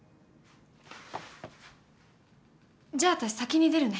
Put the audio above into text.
じゃあ私先に出るね。